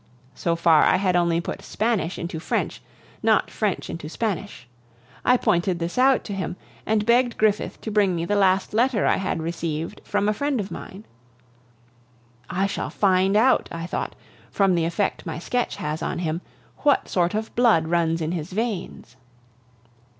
So far, I had only put Spanish into French, not French into Spanish; I pointed this out to him, and begged Griffith to bring me the last letter I had received from a friend of mine. "I shall find out," I thought, from the effect my sketch has on him, "what sort of blood runs in his veins."